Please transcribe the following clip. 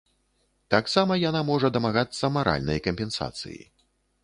Таксама яна можа дамагацца маральнай кампенсацыі.